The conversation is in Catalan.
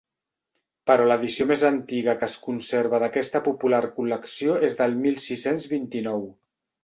Però l'edició més antiga que es conserva d'aquesta popular col·lecció és del mil sis-cents vint-i-nou.